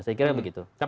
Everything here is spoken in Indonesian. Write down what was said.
saya kira begitu